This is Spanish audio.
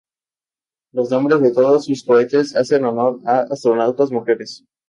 Los nombres de todos sus cohetes hacen honor a astronautas mujeres.